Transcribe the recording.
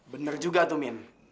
bener juga tuh min